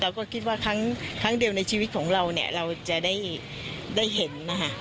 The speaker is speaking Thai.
เราก็คิดว่าครั้งเดียวในชีวิตของเราเนี่ยเราจะได้เห็นนะคะ